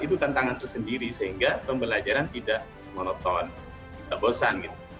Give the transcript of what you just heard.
itu tantangan tersendiri sehingga pembelajaran tidak monoton tidak bosan gitu